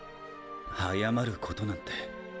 謝ることなんて。